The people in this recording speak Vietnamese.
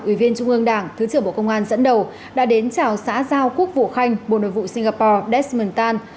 ủy viên trung ương đảng thứ trưởng bộ công an dẫn đầu đã đến trào xã giao quốc vụ khanh bộ nội vụ singapore desmond tan